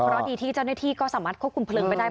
เพราะดีที่เจ้าหน้าที่ก็สามารถควบคุมเลิงไปได้